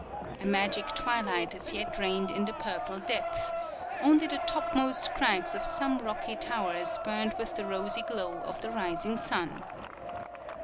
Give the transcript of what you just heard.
A magic twilight as yet reigned in the purple depth; only the topmost crags of some rocky towers burned with the rosy glow of the rising sun.